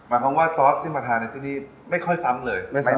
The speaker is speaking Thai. หมายความว่าซอสที่มาทานี่ไม่ค่อยซ้ำเลย